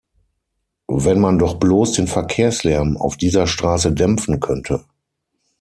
Wenn man doch bloß den Verkehrslärm auf dieser Straße dämpfen könnte!